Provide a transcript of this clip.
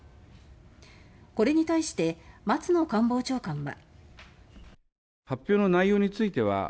これに対して松野官房長官は。